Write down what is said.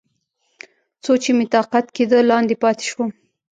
څو چې مې طاقت کېده، لاندې پاتې شوم.